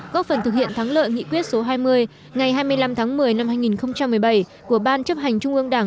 có phần thực hiện thắng lợi nghị quyết số hai mươi ngày hai mươi năm tháng một mươi năm hai nghìn một mươi tám